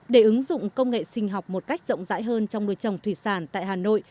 để ứng dụng công nghệ sinh học một cách rộng rãi hơn trong nuôi trồng thủy sản tại hà nội